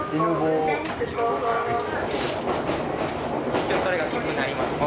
一応それが切符になりますね。